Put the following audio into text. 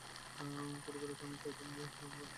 ছোটবেলাতেও আমি চাইতাম যে সবাই আমার পছন্দের খেলাগুলোই খেলুক।